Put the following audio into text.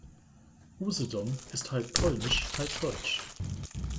Usedom ist halb polnisch, halb deutsch.